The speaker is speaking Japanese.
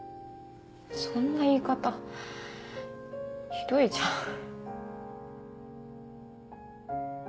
そんな言い方ひどいじゃん。